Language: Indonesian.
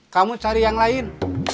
kamu cari yang lain